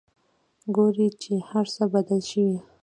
ګوري چې هرڅه بدل شوي.